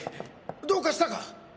どうかしたか！